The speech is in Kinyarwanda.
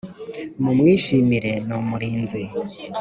mu mwishimire ni umurinzi